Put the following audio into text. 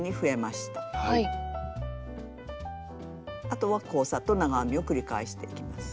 あとは交差と長編みを繰り返していきます。